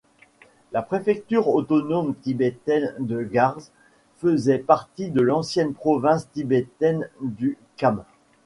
La préfecture autonome tibétaine de Garzê faisait partie de l'ancienne province tibétaine du Kham.